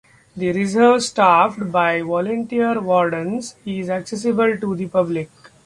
The reserve, staffed by volunteer wardens, is accessible to the public.